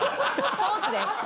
スポーツです